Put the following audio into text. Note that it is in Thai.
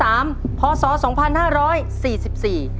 ตัวเลือดที่๓พศ๒๕๔๔